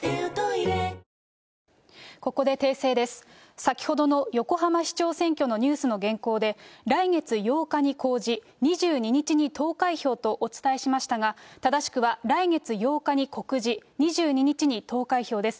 先ほどの横浜市長選挙のニュースの原稿で、来月８日に公示、２２日に投開票とお伝えしましたが、正しくは来月８日に告示、２２日に投開票です。